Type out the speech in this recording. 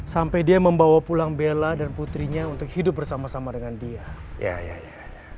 sampai dia membawa pulang bella dan putrinya untuk hidup bersama sama dengan dia ya